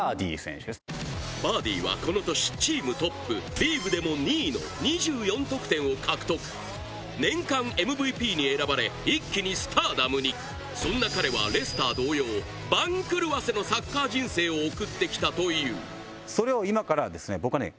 ヴァーディーはこの年チームトップリーグでも２位の２４得点を獲得年間ＭＶＰに選ばれ一気にスターダムにそんな彼はレスター同様を送って来たという今から僕が。